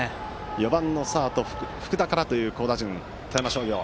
４番のサード福田からという好打順の富山商業。